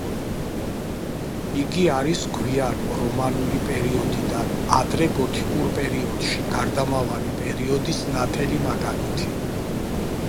იგი არის გვიანი რომანული პერიოდიდან ადრე გოთიკურ პერიოდში გარდამავალი პერიოდის ნათელი მაგალითი.